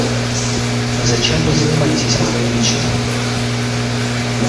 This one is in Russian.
Зачем Вы занимаетесь мной лично?